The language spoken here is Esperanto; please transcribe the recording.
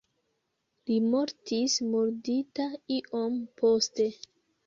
Li mortis murdita iom poste.